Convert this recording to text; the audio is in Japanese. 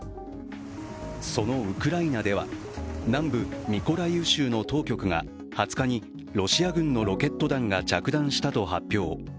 そのウクライナでは南部ミコライウ州の当局が２０日に、ロシア軍のロケット弾が着弾したと発表。